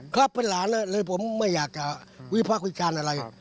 ครับเป็นหลานนะเลยผมไม่อยากจะวิพักวิชาญอะไรครับ